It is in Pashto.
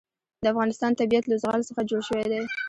د افغانستان طبیعت له زغال څخه جوړ شوی دی.